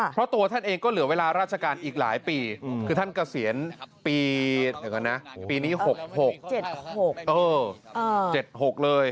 เพราะตัวท่านเองก็เหลือเวลาราชการอีกหลายปีคือท่านเกษียณปีนี้๖๖๗๖๗๖เลย